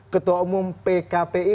ketua umum pkpi